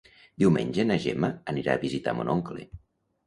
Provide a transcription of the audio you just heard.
Diumenge na Gemma anirà a visitar mon oncle.